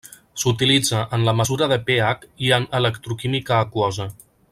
S'utilitza en la mesura de pH i en electroquímica aquosa.